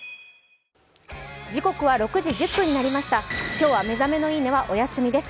今日は「目覚めのいい音」はお休みです。